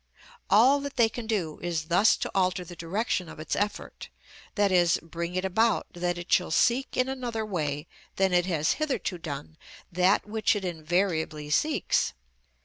All that they can do is thus to alter the direction of its effort, i.e., bring it about that it shall seek in another way than it has hitherto done that which it invariably seeks.